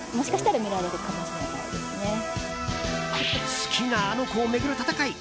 好きなあの子を巡る戦い。